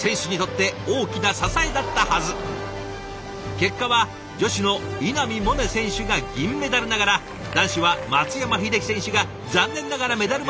結果は女子の稲見萌寧選手が銀メダルながら男子は松山英樹選手が残念ながらメダルまであと一歩でした。